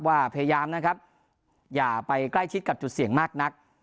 พยายามนะครับอย่าไปใกล้ชิดกับจุดเสี่ยงมากนัก